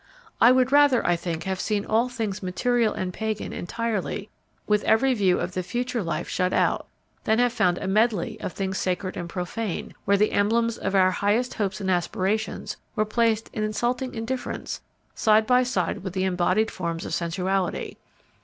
I would rather, I think, have seen all things material and pagan entirely, with every view of the future life shut out, than have found a medley of things sacred and profane, where the emblems of our highest hopes and aspirations were placed in insulting indifference side by side with the embodied forms of sensuality.